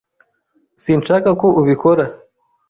Sinshaka ko ubikora, .